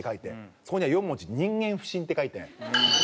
そこには４文字「人間不信」って書いて。